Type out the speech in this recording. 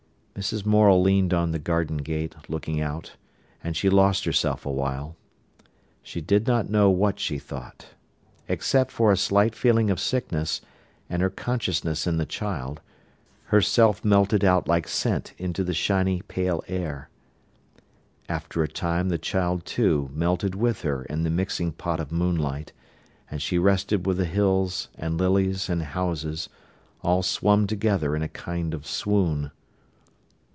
Mrs. Morel leaned on the garden gate, looking out, and she lost herself awhile. She did not know what she thought. Except for a slight feeling of sickness, and her consciousness in the child, herself melted out like scent into the shiny, pale air. After a time the child, too, melted with her in the mixing pot of moonlight, and she rested with the hills and lilies and houses, all swum together in a kind of swoon.